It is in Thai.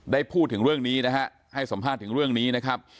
ได้พูดถึงเรื่องนี้นะฮะให้สัมภาษณ์ถึงเรื่องนี้นะครับ